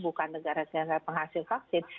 bukan negara dengan penghasil vaksin